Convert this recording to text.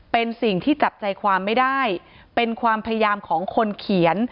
เป็นสิ่งที่จับใจความไม่ได้เป็นความพยายามของคนเขียน